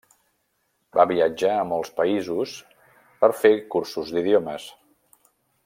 Va viatjar a molts països per fer cursos d'idiomes.